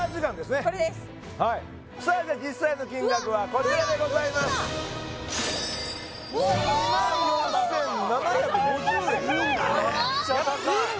はいこれですさあじゃあ実際の金額はこちらでございますおお２４７５０円そんな高いの？